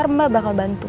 nanti mbak bakal bantu